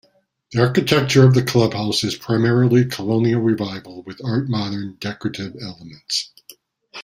The architecture of the clubhouse is primarily Colonial Revival with Art Moderne decorative elements.